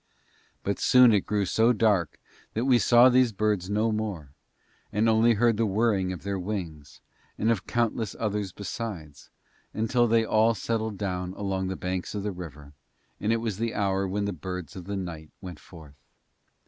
But soon it grew so dark that we saw these birds no more, and only heard the whirring of their wings, and of countless others besides, until they all settled down along the banks of the river, and it was the hour when the birds of the night went forth.